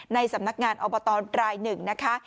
ในสำนักงานออบตราย๑นะคะ